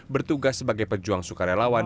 bertugas sebagai pejuang sukarelawan